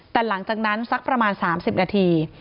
แต่หลังจากนั้นสักประมาณ๓๐นาที